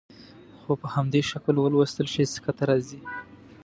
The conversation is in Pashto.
خو په همدې شکل ولوستل شي سکته راځي.